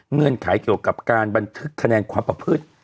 เงื่อนไขเกี่ยวกับการบันทึกคะแนนความประพฤติ